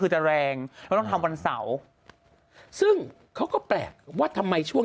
คือจะแรงเราต้องทำวันเสาร์ซึ่งเขาก็แปลกว่าทำไมช่วง